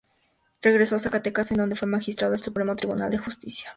Regresó a Zacatecas, en donde fue magistrado del Supremo Tribunal de Justicia.